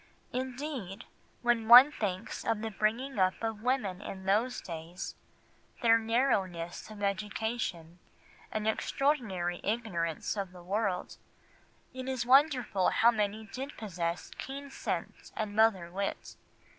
Indeed, when one thinks of the bringing up of women in those days, their narrowness of education and extraordinary ignorance of the world, it is wonderful how many did possess keen sense and mother wit.